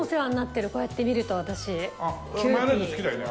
マヨネーズ好きだよね。